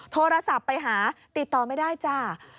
โทรศัพท์ไปหาติดต่อไม่ได้จ้า